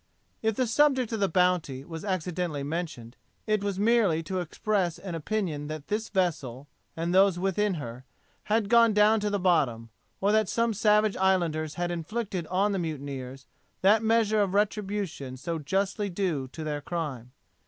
If the subject of the Bounty was accidentally mentioned, it was merely to express an opinion that this vessel, and those within her, had gone down to the bottom, or that some savage islanders had inflicted on the mutineers that measure of retribution so justly due to their crime.